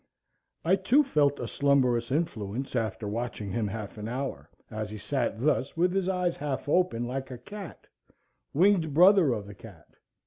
I too felt a slumberous influence after watching him half an hour, as he sat thus with his eyes half open, like a cat, winged brother of the cat.